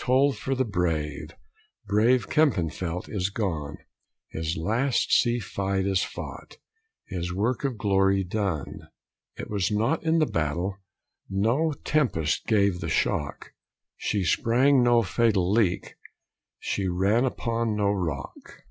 Toll for the brave! Brave Kempenfeldt is gone; His last sea fight is fought; His work of glory done. It was not in the battle; No tempest gave the shock, She sprang no fatal leak; She ran upon no rock.